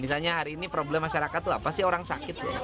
misalnya hari ini problem masyarakat itu apa sih orang sakit ya